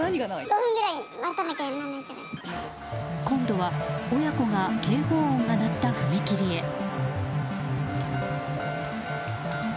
今度は親子が警報音が鳴った踏切へ。